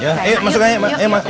ya ayo masuk aja mak